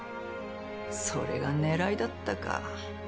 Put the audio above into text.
それが狙いだったか。